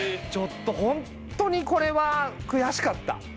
ちょっとホントにこれは悔しかった。